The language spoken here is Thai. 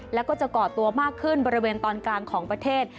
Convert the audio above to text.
แล้วก็จะก่อตัวมากขึ้นบริเวณตอนกลางของประเทศ